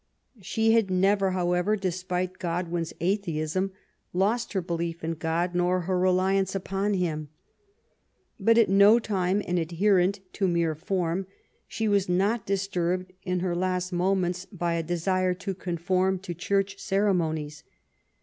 She had never, however, despite God win's atheism, lost her belief in God nor her reliance upon Him. But, at no time an adherent to mere form, she was not disturbed in her last moments by a desire to conform to church ceremonies.